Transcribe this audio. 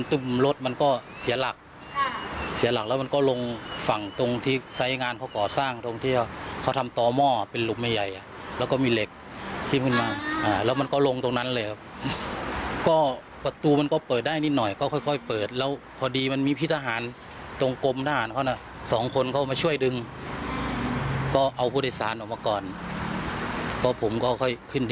รถมันก็เสียหลักเสียหลักแล้วมันก็ลงฝั่งตรงที่ไซส์งานพอก่อสร้างตรงที่เขาทำต่อหม้อเป็นหลุมใหญ่แล้วก็มีเหล็กที่ขึ้นมาแล้วมันก็ลงตรงนั้นเลยครับก็ประตูมันก็เปิดได้นิดหน่อยก็ค่อยค่อยเปิดแล้วพอดีมันมีพี่ทหารตรงกลมด้านเขานะสองคนเข้ามาช่วยดึงก็เอาผู้โดยสารออกมาก่อนพอผมก็ค่อยขึ้น